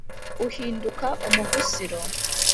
Uhinduka umugusiro !